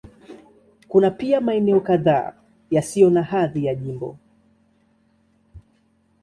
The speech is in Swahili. Kuna pia maeneo kadhaa yasiyo na hadhi ya jimbo.